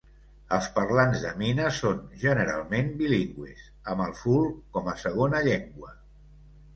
Els parlants de mina són, generalment, bilingües, amb el Ful com a segona llengua.